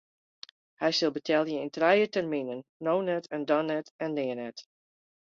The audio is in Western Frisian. Hy sil betelje yn trije terminen: no net en dan net en nea net.